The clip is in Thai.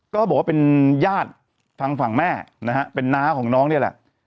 ก็บอกว่าเป็นญาติทางฝั่งแม่นะฮะเป็นน้าของน้องนี่แหละ